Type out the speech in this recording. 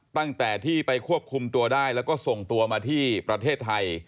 ตั้งแต่ที่ไปควบคุมตัวได้แล้วก็ส่งตัวมาที่ประเทศไทย